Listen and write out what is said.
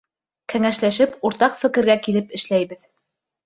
Кәңәшләшеп, уртаҡ фекергә килеп эшләйбеҙ.